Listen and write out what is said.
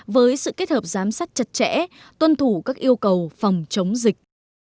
với sự kết hợp giám sát chặt chẽ tuân thủ các yêu cầu phòng chống dịch